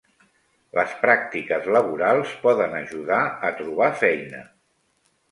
Les pràctiques laborals poden ajudar a trobar feina